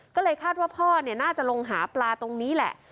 ก็เลยคาดว่าพ่อน่าจะลงหาปลาตรงนี้แหละ